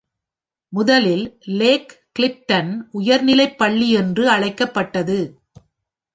முதலில் "Lake Clifton உயர்நிலைப்பள்ளி" என்று அழைக்கப்பட்டது.